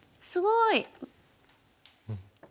すごい！